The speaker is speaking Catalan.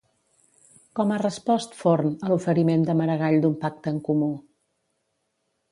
Com ha respost Forn a l'oferiment de Maragall d'un pacte en comú?